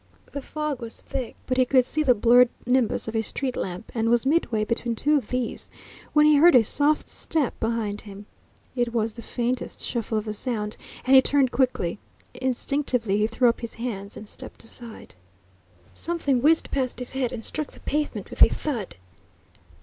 The fog was thick, but he could see the blurred nimbus of a street lamp, and was midway between two of these when he heard a soft step behind him. It was the faintest shuffle of sound, and he turned quickly. Instinctively he threw up his hands and stepped aside. Something whizzed past his head and struck the pavement with a thud.